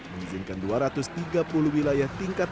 mengizinkan dua ratus tiga puluh wilayah tingkat